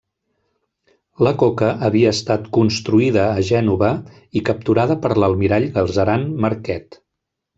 La coca havia estat construïda a Gènova i capturada per l’almirall Galzeran Marquet.